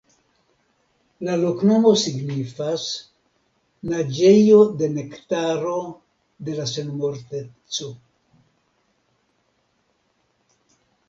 La loknomo signifas: "Naĝejo de Nektaro de la Senmorteco".